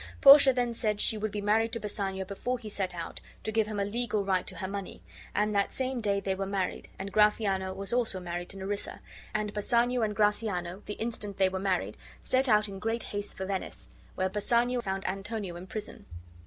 Portia then said she would be married to Bassanio before he set out, to give him a legal right to her money; and that same day they were married, and Gratiano was also married to Nerissa; and Bassanio and Gratiano, the instant they were married, set out in great haste for Venice, where Bassanio found Antonio in prison.